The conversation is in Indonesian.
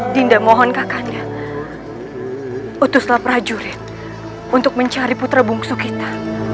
dinda mohon kakaknya utuslah prajurit untuk mencari putra bungsu kita